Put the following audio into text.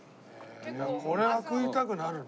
これは食いたくなるな。